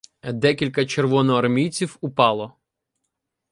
Декілька червоноармійців упало.